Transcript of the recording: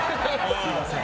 すみません。